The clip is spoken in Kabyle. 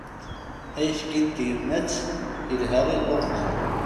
Ayefki n tyemmat ilha i llufan.